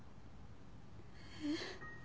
えっ？